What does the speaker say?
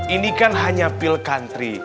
ini kan hanya pilkantri